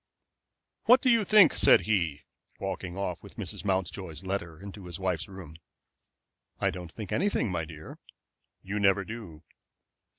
"What do you think?" said he, walking off with Mrs. Mountjoy's letter into his wife's room. "I don't think anything, my dear." "You never do."